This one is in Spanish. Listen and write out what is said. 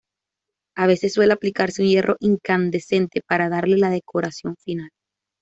A veces suele aplicarse un hierro incandescente para darle la decoración final.